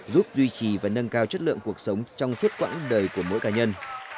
giúp duy trì và nâng cao chất lượng cuộc sống trong suốt quãng đời của mỗi cá nhân